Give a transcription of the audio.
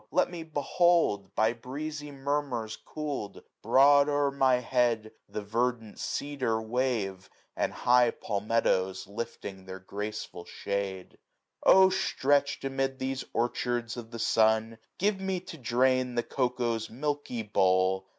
Let nie behold, by breezy murmurs cool'd, Broad o*er my head the verdant cedar wave, And high palmetos lift their graceful shade. Syj^ O stretchM amid these orchards of the sun. Give me to drain the cocoa's milky bowl.